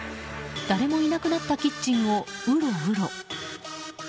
誰もいなくなったキッチンをウロウロ。